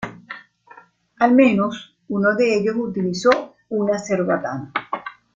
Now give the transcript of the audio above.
Al menos uno de ellos utilizó una cerbatana.